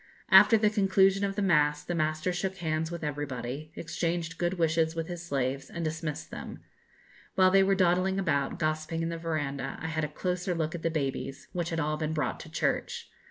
After the conclusion of the mass the master shook hands with everybody, exchanged good wishes with his slaves, and dismissed them. While they were dawdling about, gossiping in the verandah, I had a closer look at the babies, which had all been brought to church.